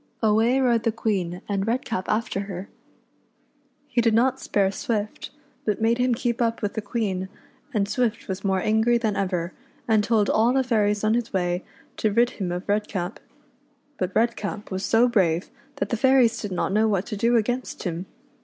Away rode the Queen and Redcap after her. He did not spare Swift, but made him keep up with the Queen, and Swift was more angry than ever, and told all the fairies on his way to rid him of Redcap. But Redcap was so brave that the fairies did not know what to do against him.